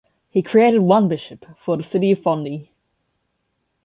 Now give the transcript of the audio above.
He created one bishop, for the city of Fondi.